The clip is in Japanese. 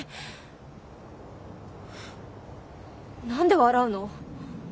何で笑うの？